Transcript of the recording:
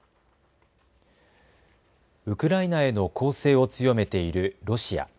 ウクライナへの攻勢を強めているロシア。